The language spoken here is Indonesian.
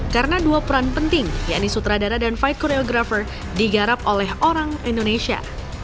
karena dua peran penting yakni sutradara dan fight choreographer digarap oleh orang indonesia